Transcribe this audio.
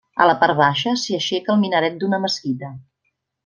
A la part baixa s'hi aixeca el minaret d'una mesquita.